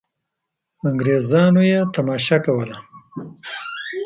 انګرېزانو یې تماشه کوله.